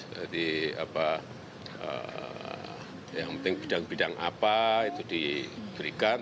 jadi apa yang penting bidang bidang apa itu diberikan